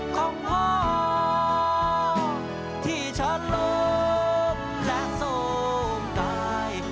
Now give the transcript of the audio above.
ของพ่อที่ชะลมและโทรมกาย